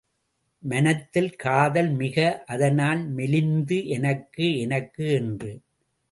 மனத்தில் காதல் மிக அதனால் மெலிந்து எனக்கு எனக்கு, என்று.